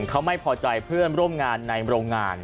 เขาไม่พอใจเพื่อนร่วมงานในโรงงาน